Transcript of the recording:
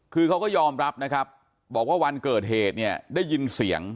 คือเขาก็ยอมรับนะครับบอกว่าวันเกิดเหตุเนี่ยได้ยินเสียง